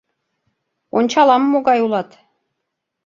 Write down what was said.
Ончалам, могай улат.